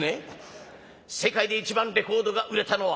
世界で一番レコードが売れたのは？」。